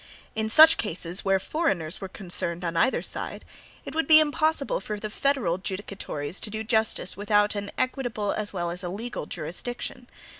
In such cases, where foreigners were concerned on either side, it would be impossible for the federal judicatories to do justice without an equitable as well as a legal jurisdiction.